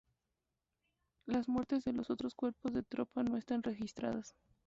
Las muertes de los otros cuerpos de tropa no están registradas.